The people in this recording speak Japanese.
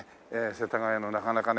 世田谷のなかなかね